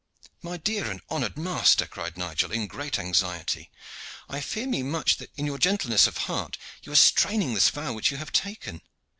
"My dear and honored master," cried Nigel, in great anxiety, "I fear me much that in your gentleness of heart you are straining this vow which you have taken.